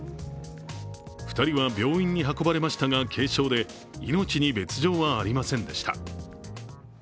２人は病院に運ばれましたが軽傷で命に別状はありませんでした。